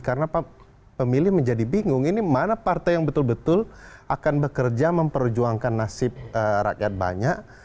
karena pemilih menjadi bingung ini mana partai yang betul betul akan bekerja memperjuangkan nasib rakyat banyak